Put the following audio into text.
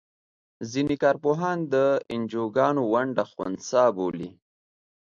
ځینې کار پوهان د انجوګانو ونډه خنثی بولي.